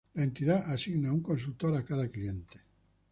La entidad asigna un consultor a cada cliente.